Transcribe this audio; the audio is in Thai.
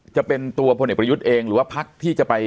จะเป็นตัวพลเอกประยุทธ์เองหรือว่าพักที่จะไป